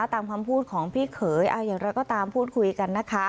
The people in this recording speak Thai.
ตามคำพูดของพี่เขยอย่างไรก็ตามพูดคุยกันนะคะ